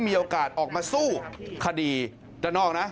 ก็ตอบได้คำเดียวนะครับ